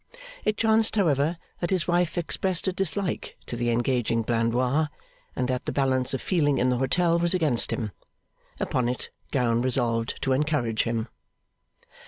It chanced, however, that his wife expressed a dislike to the engaging Blandois, and that the balance of feeling in the hotel was against him. Upon it, Gowan resolved to encourage him.